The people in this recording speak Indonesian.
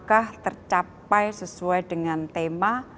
apakah tercapai sesuai dengan tema